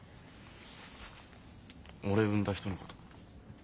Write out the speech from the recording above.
俺産んだ人のこと。